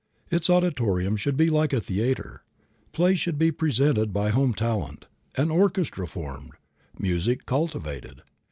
Its auditorium should be like a theatre. Plays should be presented by home talent; an orchestra formed, music cultivated.